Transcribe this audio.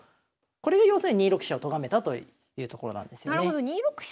これが要するに２六飛車をとがめたというところなんですよね。